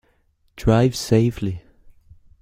Drive safely!